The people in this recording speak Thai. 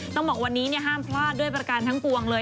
ต้องบอกวันนี้ห้ามพลาดด้วยประการทั้งปวงเลย